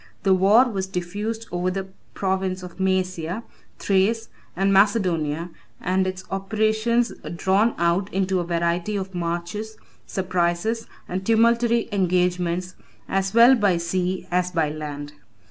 The war was diffused over the province of Mæsia, Thrace, and Macedonia, and its operations drawn out into a variety of marches, surprises, and tumultuary engagements, as well by sea as by land.